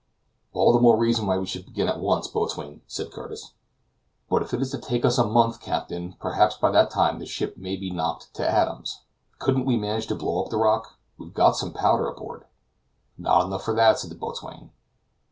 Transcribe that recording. "All the more reason why we should begin at once, boatswain," said Curtis. "But if it is to take us a month, captain, perhaps by that time the ship may be knocked to atoms. Couldn't we manage to blow up the rock? we have got some powder aboard." "Not enough for that," said the boatswain.